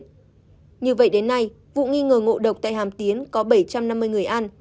như vậy đến nay vụ nghi ngờ ngộ độc tại hàm tiến có bảy trăm năm mươi người ăn